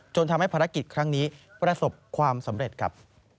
ทำให้ภารกิจครั้งนี้ประสบความสำเร็จครับ